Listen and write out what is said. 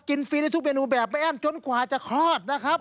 กินฟรีด้วยทุกเบนุแบบแบบแอนจนกว่าจะคลอดนะครับ